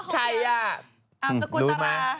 ใครอ่ะ